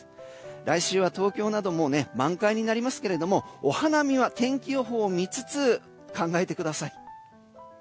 来週は東京なども満開になりますがお花見は天気予報を見つつ考えてください。